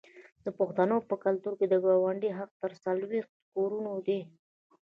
د پښتنو په کلتور کې د ګاونډي حق تر څلوېښتو کورونو دی.